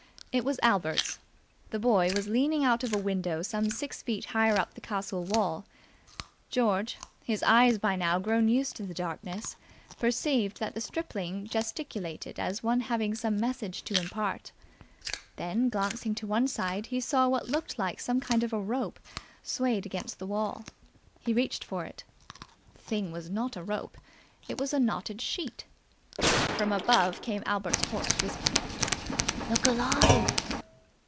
It was Albert's. The boy was leaning out of a window some six feet higher up the castle wall. George, his eyes by now grown used to the darkness, perceived that the stripling gesticulated as one having some message to impart. Then, glancing to one side, he saw what looked like some kind of a rope swayed against the wall. He reached for it. The thing was not a rope: it was a knotted sheet. From above came Albert's hoarse whisper. "Look alive!"